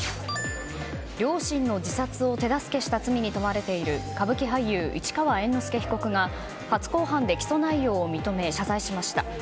両親の自殺を手助けした罪に問われている歌舞伎俳優・市川猿之助被告が初公判で起訴内容を認め、謝罪しました。